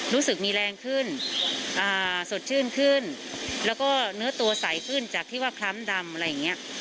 รู้สึกมีแรงขึ้นสดชื่นขึ้นแล้วก็เนื้อตัวใสขึ้นจากที่ว่าคล้ำดำอะไรอย่างนี้